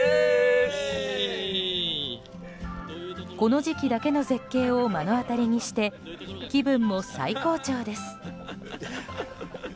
この時期だけの絶景を目の当たりにして気分も最高潮です。